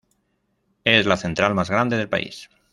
Es la central más grande del país.